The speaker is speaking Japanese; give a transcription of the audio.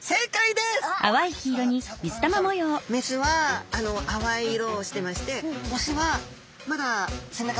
メスはあわい色をしてましてオスはまだ背中